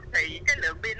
thì cái lượng pin